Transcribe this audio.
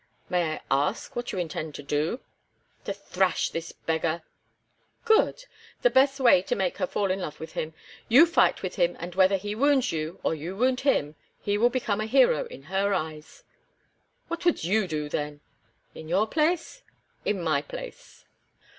"May I ask what you intend to do?" "To thrash this beggar." "Good! the best way to make her fall in love with him. You fight with him, and whether he wounds you, or you wound him, he will become a hero in her eyes." "What would you do then?" "In your place?" "In my place."